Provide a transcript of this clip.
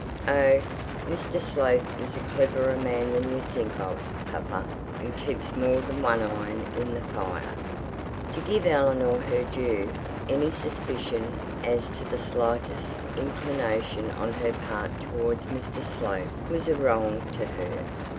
'Oh, Mr Slope is a cleverer man than you think of, papa, and keeps more than one iron in the fire.' To give Eleanor her due, any suspicion as to the slightest inclination on her part towards Mr Slope was a wrong to her.